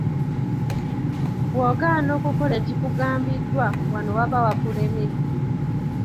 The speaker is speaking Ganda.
Bw'ogaana okukola ekikugambiddwa wano waba wakulemye.